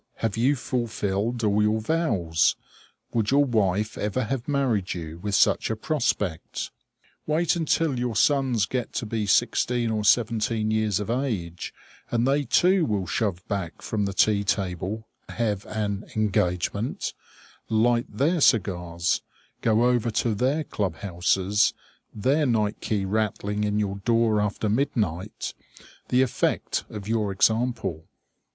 Have you fulfilled all your vows? Would your wife ever have married you with such a prospect? Wait until your sons get to be sixteen or seventeen years of age, and they too will shove back from the tea table, have an "engagement," light their cigars, go over to their club houses, their night key rattling in your door after midnight the effect of your example.